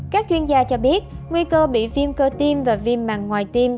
các chuyên gia cho biết nguy cơ bị viêm cơ tim và viêm màng ngoài tim